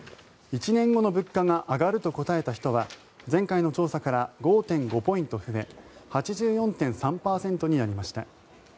１年後の物価が上がると答えた人は前回の調査から５．５ポイント増え８４．３％になりました。